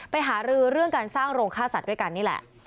หารือเรื่องการสร้างโรงฆ่าสัตว์ด้วยกันนี่แหละ